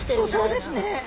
そうですね！